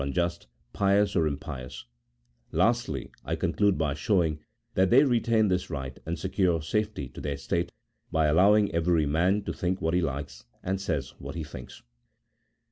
IT unjust, pious or impious ; lastly, I conclude by showing, that they best retain this right and secure safety to their state by allowing every man to think what he likes, and say what he thinks.